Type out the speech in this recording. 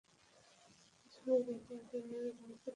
জমি বহু আগেই নিয়ে রেখেছিল সরকার।